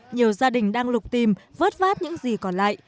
nhiều gia đình đang lục tìm vớt vát những gì còn lại